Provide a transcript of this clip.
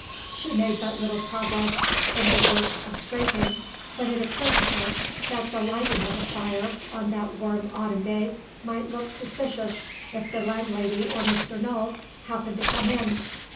She had made but little progress in the work of scraping, when it occurred to her that the lighting of a fire, on that warm autumn day, might look suspicious if the landlady or Mr. Null happened to come in.